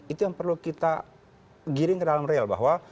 itu yang perlu kita giring ke dalam real bahwa